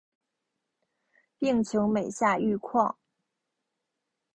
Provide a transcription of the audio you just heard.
病情每下愈况